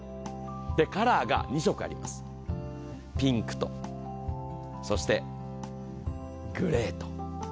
カラーが２色あります、ピンクとグレーと。